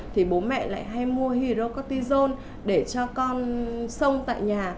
thì bố mẹ lại hay mua hirocortizzone để cho con sông tại nhà